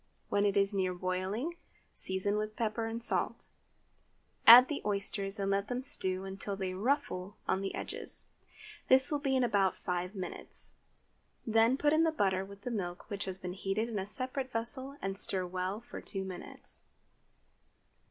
When it is near boiling, season with pepper and salt; add the oysters, and let them stew until they "ruffle" on the edge. This will be in about five minutes. Then put in the butter with the milk which has been heated in a separate vessel, and stir well for two minutes.